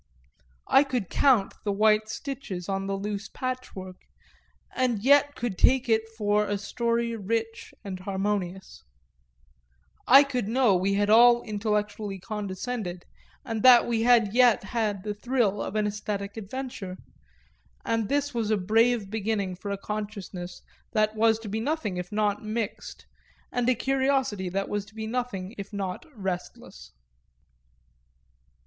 I could count the white stitches in the loose patchwork, and yet could take it for a story rich and harmonious; I could know we had all intellectually condescended and that we had yet had the thrill of an æsthetic adventure; and this was a brave beginning for a consciousness that was to be nothing if not mixed and a curiosity that was to be nothing if not restless.